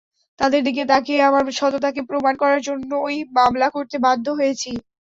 তাঁদের দিকে তাকিয়ে আমার সততাকে প্রমাণ করার জন্যই মামলা করতে বাধ্য হয়েছি।